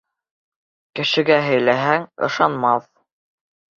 Кешегә һөйләһәң, ышанмаҫ.